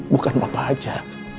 bukan papa saja